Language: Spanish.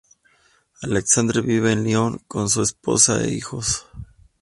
Alexandre vive en Lyon con su esposa e hijos.